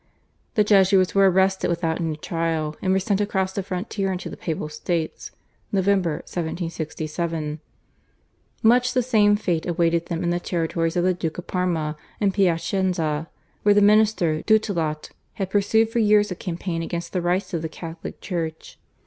The Jesuits were arrested without any trial, and were sent across the frontier into the Papal States (Nov. 1767). Much the same fate awaited them in the territories of the Duke of Parma and Piacenza, where the minister du Tillot had pursued for years a campaign against the rights of the Catholic Church.